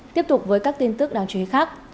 tiếp tục với các tin tức đáng chú ý khác